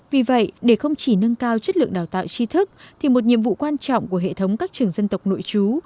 vì vậy để không chỉ nâng cao chất lượng đào tạo chi thức thì một nhiệm vụ quan trọng của hệ thống các trường dân tộc nội chú